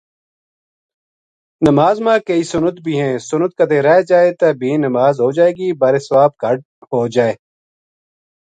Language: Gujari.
نماز ما کئی سنت بھی ہیں۔ سنت کدے رہ جائے تے بھی نماز ہو جائے گی بارے ثواب کہٹ ہو جائے۔